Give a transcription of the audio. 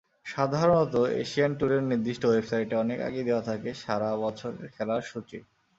সাধারণত এশিয়ান টুরের নির্দিষ্ট ওয়েবসাইটে অনেক আগেই দেওয়া থাকে সারা বছরের খেলার সূচি।